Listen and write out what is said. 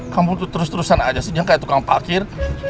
kamu tuh terus terusan aja sih jang kayak tukang pakir